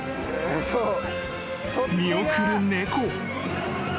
［見送る猫］